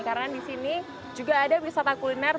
karena di sini juga ada wisata kuliner